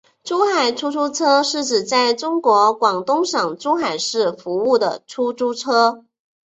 珠海出租车是指在中国广东省珠海市服务的出租车。